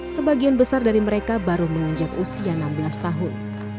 sebagian besar dari mereka baru menginjak usia enam belas tahun